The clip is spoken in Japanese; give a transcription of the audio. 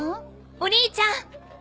お兄ちゃん。